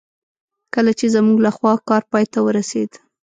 کله چې زموږ لخوا کار پای ته ورسېد.